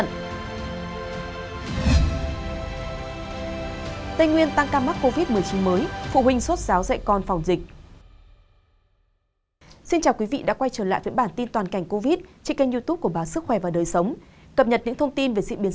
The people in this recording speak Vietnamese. hãy đăng ký kênh để ủng hộ kênh của chúng mình nhé